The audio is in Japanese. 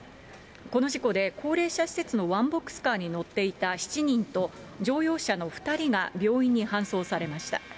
この事故で、高齢者施設のワンボックスカーに乗っていた７人と乗用車の２人が病院に搬送されました。